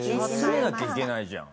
集めなきゃいけないじゃん。